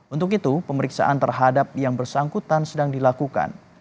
untuk itu pemeriksaan terhadap yang bersangkutan sedang dilakukan